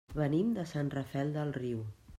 Venim de Sant Rafel del Riu.